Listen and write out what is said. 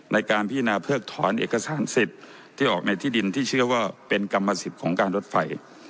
ในการพิจารณาเพิกถอนเอกสารสิทธิ์ที่ออกในที่ดินที่เชื่อว่าเป็นกรรมสิทธิ์ของการรถไฟ